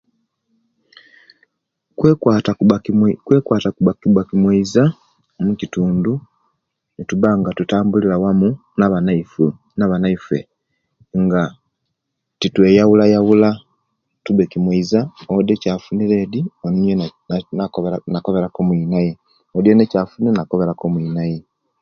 Kwekwata kuba kwekwata kiba kiba kimwooza omukitundu nituba nga tutambulira wamu naba nabanaife nga titweyabula yabula tube kimweiza odi kyafunile edi ono eyena nakobera ku omwinaye odi yena ekyafunire nakobera ku omwinaye